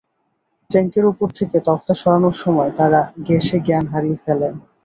ট্যাংকের ওপর থেকে তক্তা সরানোর সময় তাঁরা গ্যাসে জ্ঞান হারিয়ে ফেলেন।